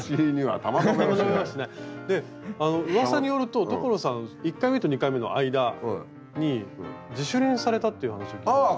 でうわさによると所さん１回目と２回目の間に自主練されたっていう話を聞いたんですが。